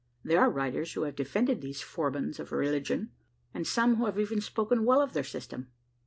There are writers who have defended these forbans of religion; and some who have even spoken well of their system.